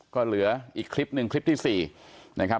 ก็เหลืออีกคลิปหนึ่งคลิปที่๔นะครับ